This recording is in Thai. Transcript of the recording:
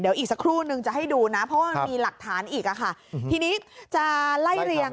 เดี๋ยวอีกสักครู่นึงจะให้ดูนะเพราะว่ามันมีหลักฐานอีกอ่ะค่ะทีนี้จะไล่เรียง